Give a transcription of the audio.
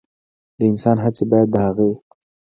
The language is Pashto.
د انسان هڅې باید د هغه وي.